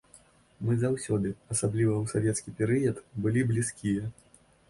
Мы заўсёды, асабліва ў савецкі перыяд, былі блізкія.